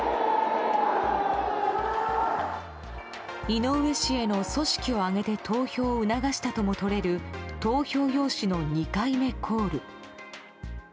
井上氏への組織を挙げて投票を促したともとれる投票用紙の２回目コール。